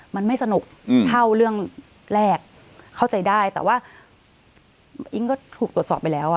มันไม่สนุกเท่าเรื่องแรกเข้าใจได้แต่ว่าอิ๊งก็ถูกตรวจสอบไปแล้วอ่ะ